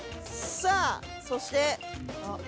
さあそして。